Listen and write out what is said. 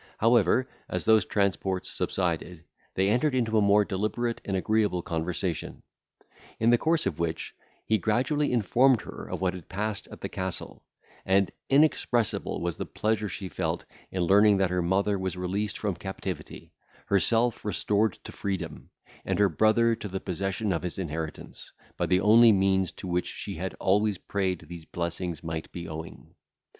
However, as those transports subsided, they entered into a more deliberate and agreeable conversation; in the course of which, he gradually informed her of what had passed at the castle; and inexpressible was the pleasure she felt in learning that her mother was released from captivity, herself restored to freedom, and her brother to the possession of his inheritance, by the only means to which she had always prayed these blessings might be owing.